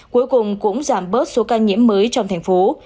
cuối cùng cũng giảm bớt số ca nhiễm mới trong thành phố